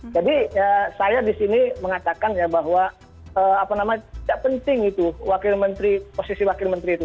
jadi saya di sini mengatakan bahwa tidak penting itu posisi wakil menteri itu